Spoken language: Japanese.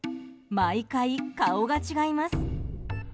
毎回、顔が違います。